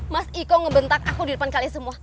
mas iko ngebentak aku di depan kalian semua